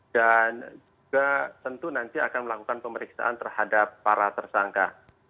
dan juga tentu nanti akan melakukan pemeriksaan terhadap para tersangka